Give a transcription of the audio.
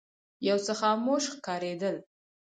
یو څه خاموش ښکارېدل.